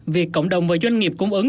việc cộng đồng và doanh nghiệp cúng ứng